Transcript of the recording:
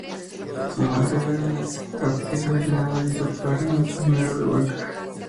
Su madre era una actriz aficionada y su padre un funcionario de banca.